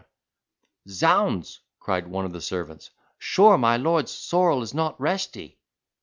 "Z—ds!", cried one of the servants, "sure my lord's Sorrel is not resty!"